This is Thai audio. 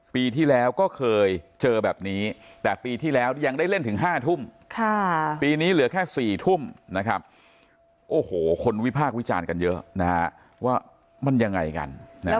ปีที่แล้วก็เคยเจอแบบนี้แต่ปีที่แล้วยังได้เล่นถึง๕ทุ่มปีนี้เหลือแค่๔ทุ่มนะครับโอ้โหคนวิพากษ์วิจารณ์กันเยอะว่ามันยังไงกัน